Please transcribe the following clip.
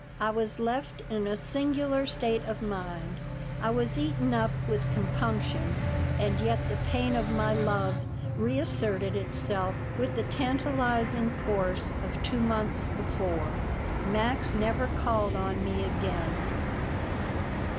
I was left in a singular state of mind. I was eaten up with compunction, and yet the pain of my love reasserted itself with the tantalizing force of two months before. Max never called on me again.